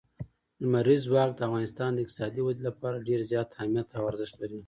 لمریز ځواک د افغانستان د اقتصادي ودې لپاره ډېر زیات اهمیت او ارزښت لري.